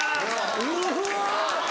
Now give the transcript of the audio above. うわ！